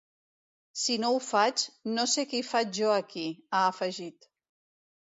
Si no ho faig, no sé què hi faig jo aquí, ha afegit.